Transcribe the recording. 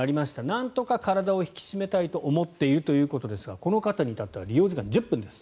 なんとか体を引き締めたいと思っているということですがこの方に至っては利用時間１０分です。